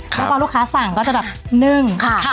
แล้วพอลูกค้าสั่งก็จะแบบนึ่งค่ะ